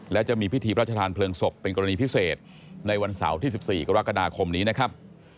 และจะมีพิธีพระชาธานเพลิงศพเป็นกรณีพิเศษในวันเสาร์ที่๑๔กรกฎาคมนี้นะครับ